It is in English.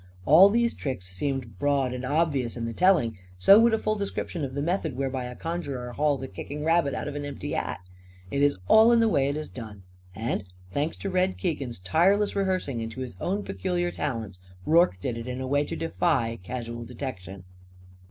All these tricks seem broad and obvious in the telling. So would a full description of the method whereby a conjurer hauls a kicking rabbit out of an empty hat. It is all in the way it is done. And, thanks to Red Keegan's tireless rehearsing and to his own peculiar talents, Rorke did it in a way to defy casual detection.